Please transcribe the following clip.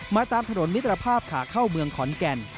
ตามถนนมิตรภาพขาเข้าเมืองขอนแก่น